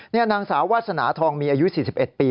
นี่นางสาววาสนาทองมีอายุ๔๑ปี